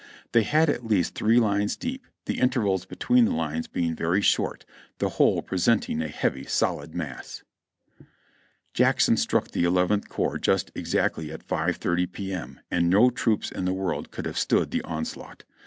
They had at least three lines deep, the intervals between the lines being very short, the whole presenting a heavy, solid mass." Jackson struck the Eleventh Corps just exactly at 5.30 P. M. and no troops in the world could have stood the onslaught.